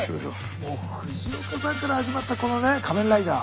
もう藤岡さんから始まったこのね「仮面ライダー」。